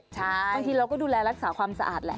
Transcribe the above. บางทีเราก็ดูแลรักษาความสะอาดแหละ